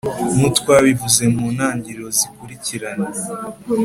nk'u twabivuze mu ntangiriro, zikurikiranye